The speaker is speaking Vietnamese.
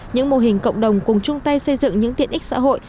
những mô hình cộng đồng cùng chung tay xây dựng những tiện ích xã hội